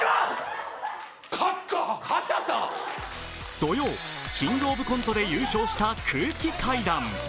土曜、「キングオブコント」で優勝した空気階段。